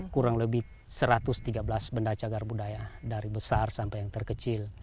kurang lebih satu ratus tiga belas benda cagar budaya dari besar sampai yang terkecil